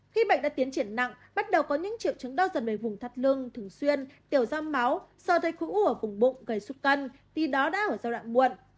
khi bệnh đã tiến triển nặng bắt đầu có những triệu chứng đau dần về vùng thắt lưng thường xuyên tiểu ra máu sơ thây khối u ở vùng bụng gầy suốt cân đi đó đã ở giai đoạn muộn